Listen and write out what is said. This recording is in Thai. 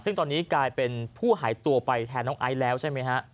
ซึ่งตอนนี้กลายเป็นผู้หายตัวไปแทนหรอใช่ไหมคะ